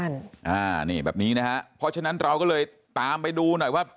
อันนี้แบบนี้นะฮะเพราะฉะนั้นเราก็เลยตามไปดูหน่อยว่า